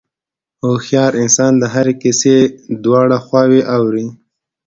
هوښیار انسان د هرې کیسې دواړه خواوې اوري.